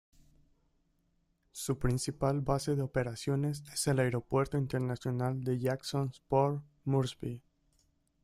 Su principal base de operaciones es el Aeropuerto Internacional de Jacksons, Port Moresby.